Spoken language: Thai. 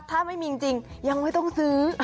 ถ้าไม่มีจริงยังไม่ต้องซื้อ